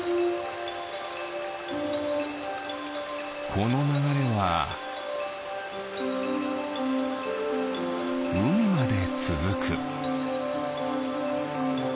このながれはうみまでつづく。